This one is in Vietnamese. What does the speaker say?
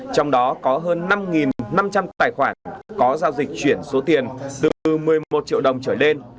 trong đó có hơn năm năm trăm linh tài khoản có giao dịch chuyển số tiền từ một mươi một triệu đồng trở lên